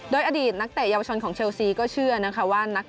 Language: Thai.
โดยอดีตนักเตะเยาวชนของเชลซีก็เชื่อนะคะว่า